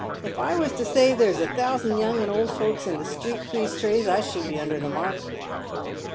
if I was to say there's a thousand young and old folks in the street crease trade, I should be under the mark."